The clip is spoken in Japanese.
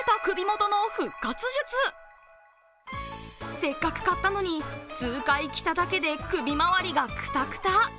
せっかく買ったのに、数回着ただけで首回りがくたくた。